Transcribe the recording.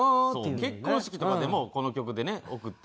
結婚式とかでもこの曲でね送って。